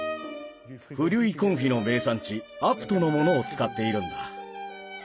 フリュイ・コンフィの名産地アプトのものを使っているんだ。